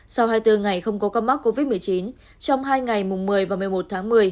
sau hai mươi bốn ngày không có ca mắc covid một mươi chín trong hai ngày mùng một mươi và một mươi một tháng một mươi